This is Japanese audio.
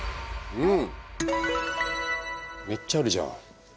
うん。